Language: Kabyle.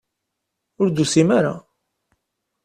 Ur d-tusim ara.